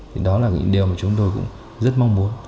thì đó là cái điều mà chúng tôi cũng rất mong muốn